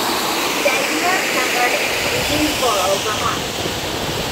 Stegner summered in Greensboro, Vermont.